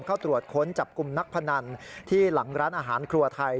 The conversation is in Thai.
เข้าตรวจค้นจับกลุ่มนักพนันที่หลังร้านอาหารครัวไทย